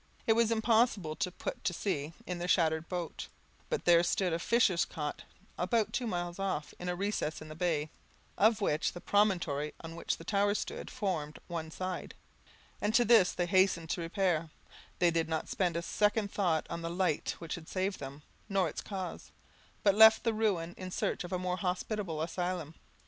It was impossible to put to sea in their shattered boat; but there stood a fisher's cot about two miles off, in a recess in the bay, of which the promontory on which the tower stood formed one side, and to this they hastened to repair; they did not spend a second thought on the light which had saved them, nor its cause, but left the ruin in search of a more hospitable asylum.